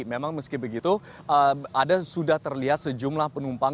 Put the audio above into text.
memang meski begitu ada sudah terlihat sejumlah penumpang